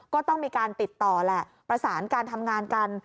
ก็ต้องมีการติดต่อแหละประสานการทำงานกัน